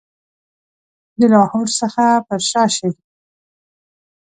د لاهور څخه پر شا شي.